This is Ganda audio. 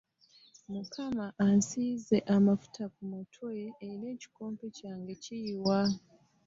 Mukama ansiize amafuta ku mutwe era ekikompe kyange kyiika.